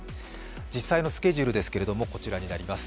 実際のスケジュールはこちらになります。